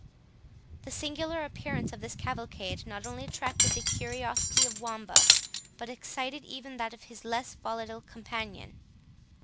The singular appearance of this cavalcade not only attracted the curiosity of Wamba, but excited even that of his less volatile companion.